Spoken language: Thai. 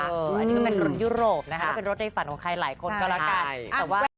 อันนี้ก็เป็นรถยุโรปนะคะก็เป็นรถในฝันของใครหลายคนก็แล้วกัน